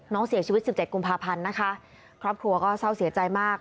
น้องเสียชีวิต๑๗กุมภาพันธ์นะคะครอบครัวก็เศร้าเสียใจมาก